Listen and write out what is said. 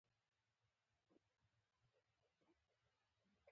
و درېږئ، زه هم درسره ځم.